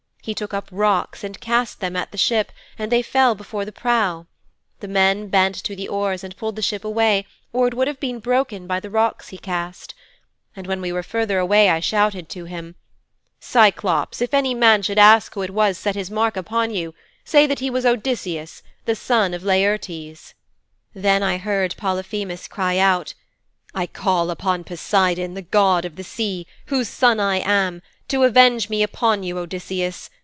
He took up rocks and cast them at the ship and they fell before the prow. The men bent to the oars and pulled the ship away or it would have been broken by the rocks he cast. And when we were further away I shouted to him: '"Cyclops, if any man should ask who it was set his mark upon you, say that he was Odysseus, the son of Laertes."' 'Then I heard Polyphemus cry out, "I call upon Poseidon, the god of the sea, whose son I am, to avenge me upon you, Odysseus.